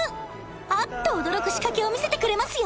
あっと驚く仕掛けを見せてくれますよ